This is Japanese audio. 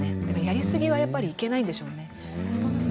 だからやりすぎはやっぱりいけないんでしょうね。